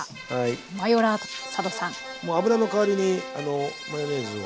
もう油の代わりにマヨネーズを。